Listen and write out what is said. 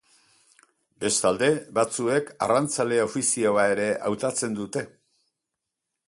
Bestalde, batzuek arrantzale ofizioa ere hautatzen dute.